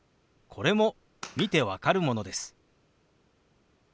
これも見て分かるものです。